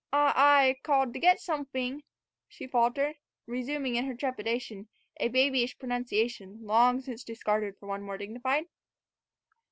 "I I called to get somefing," she faltered, resuming, in her trepidation, a babyish pronunciation long since discarded for one more dignified.